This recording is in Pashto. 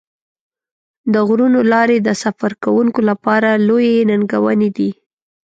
د غرونو لارې د سفر کوونکو لپاره لویې ننګونې دي.